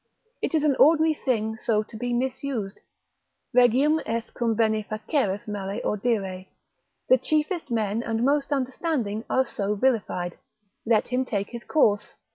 It is an ordinary thing so to be misused. Regium est cum bene faceris male audire, the chiefest men and most understanding are so vilified; let him take his course.